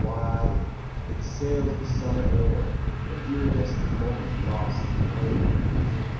why?—It sails the summer air— An iridescent moment lost in rain?